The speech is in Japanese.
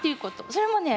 それもね